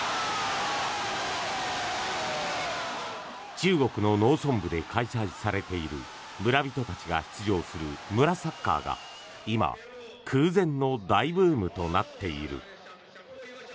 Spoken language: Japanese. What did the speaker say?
中国の農村部で開催されている村人たちが出場する村サッカーが今、空前の大ブームとなっている。